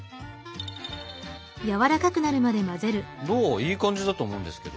いい感じだと思うんですけど。